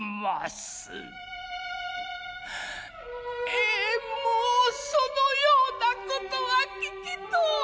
「ええもうそのような事は聞きとうない。